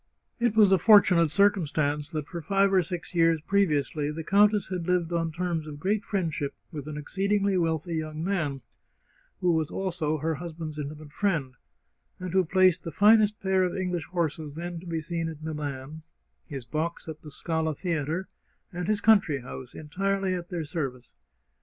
It was a fortunate circumstance that for five or six years previously the countess had lived on terms of great friend ship with an exceedingly wealthy young man, who was also her husband's intimate friend, and who placed the finest pair of English horses then to be seen at Milan, his box at the Scala Theatre, and his country house entirely at their serv ice.